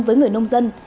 với người nông dân